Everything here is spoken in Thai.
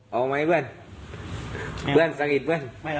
เอาไหมเพื่อนสะกิดเพื่อน